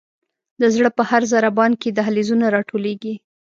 د زړه په هر ضربان کې دهلیزونه را ټولیږي.